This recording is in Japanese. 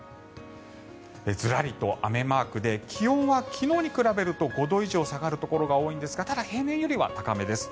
ずらりと雨マークで気温は昨日に比べると５度以上下がるところが多いんですがただ、平年よりは高めです。